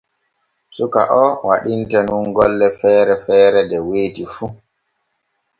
Suka o waɗinte nun golle feere feere de weeti fu.